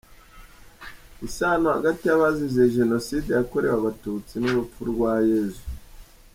Isano hagati y’abazize Jenoside yakorewe Abatutsi n’urupfu rwa Yezu.